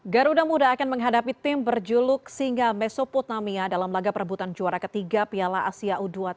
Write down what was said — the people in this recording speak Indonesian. garuda muda akan menghadapi tim berjuluk singa mesoputnamia dalam laga perebutan juara ketiga piala asia u dua puluh tiga